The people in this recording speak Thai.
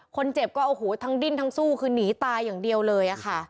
คนเจ็บก็โอ้โหทั้งดิ้นทั้งสู้คือหนีตายอย่างเดียวเลยค่ะ